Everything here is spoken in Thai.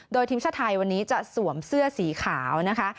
โดยทีมชาติไทยวันนี้จะสวมเสื้อสีขาวนะคะ